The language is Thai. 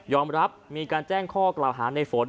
รับมีการแจ้งข้อกล่าวหาในฝน